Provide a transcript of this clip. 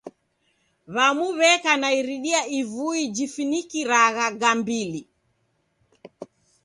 W'amu w'eka na iridia ivui jifinikiragha gambili.